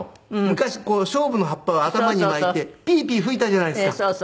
昔ショウブの葉っぱを頭に巻いてピーピー吹いたじゃないですか。